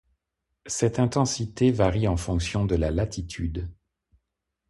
Cette intensité varie en fonction de la latitude.